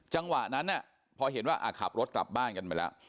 จังหวะนั้นพอเห็นว่าขับรถกลับบ้านกันไปแล้ว